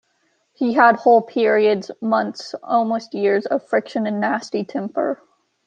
He had whole periods, months, almost years, of friction and nasty temper.